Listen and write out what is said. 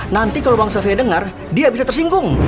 nanti kalau bang sofia dengar dia bisa tersinggung